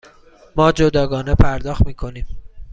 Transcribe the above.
ما جداگانه پرداخت می کنیم.